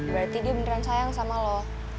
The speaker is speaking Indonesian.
berarti dia beneran sayang sama lo